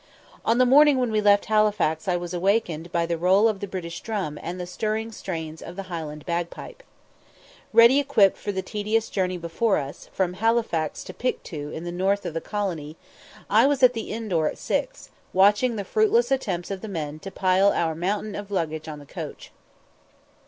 On the morning when we left Halifax I was awakened by the roll of the British drum and the stirring strains of the Highland bagpipe. Ready equipped for the tedious journey before us, from Halifax to Pictou in the north of the colony, I was at the inn door at six, watching the fruitless attempts of the men to pile our mountain of luggage on the coach.